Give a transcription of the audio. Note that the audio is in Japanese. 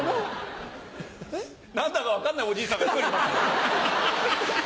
何だか分からないおじいさんが１人いますよ。